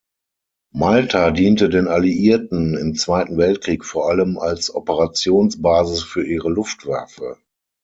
Malta diente den Alliierten im Zweiten Weltkrieg vor allem als Operationsbasis für ihre Luftwaffe.